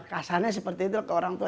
kasarnya seperti itu ke orang tua